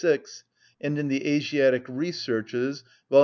6, and in the "Asiatic Researches," vol.